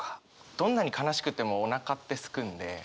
どんなに悲しくてもおなかってすくんで。